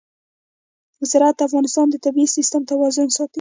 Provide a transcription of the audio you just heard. زراعت د افغانستان د طبعي سیسټم توازن ساتي.